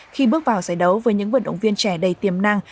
khi bước vào giải đấu với những vận động viên trẻ đầy tiềm năng